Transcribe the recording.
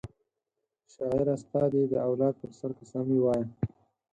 شاعره ستا دي د اولاد په سر قسم وي وایه